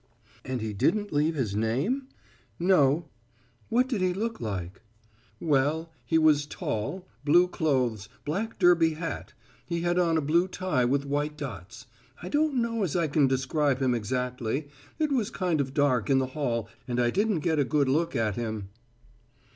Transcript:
"And he didn't leave his name?" "No." "What did he look like?" "Well, he was tall, blue clothes, black derby hat. He had on a blue tie with white dots. I don't know as I can describe him exactly. It was kind of dark in the hall and I didn't get a good look at him."